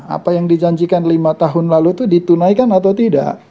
apa yang dijanjikan lima tahun lalu itu ditunaikan atau tidak